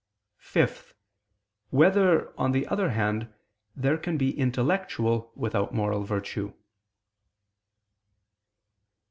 (5) Whether, on the other hand, there can be intellectual without moral virtue?